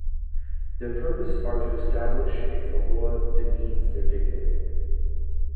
Their purpose are to establish if the law demeans their dignity.